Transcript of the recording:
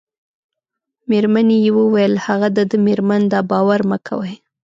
مېرمنې یې وویل: هغه د ده مېرمن ده، باور مه کوئ.